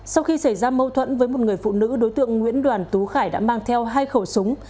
sau khi xảy ra mâu thuẫn với một người phụ nữ đối tượng nguyễn đoàn tú khải đã mang theo hai khẩu súng